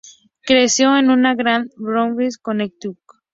Creció en una granja de Brooklyn, Connecticut.